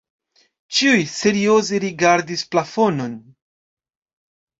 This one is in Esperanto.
Ĉiuj serioze rigardis plafonon.